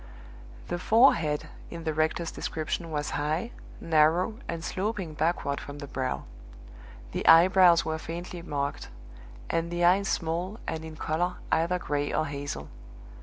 The forehead in the rector's description was high, narrow, and sloping backward from the brow; the eyebrows were faintly marked; and the eyes small, and in color either gray or hazel.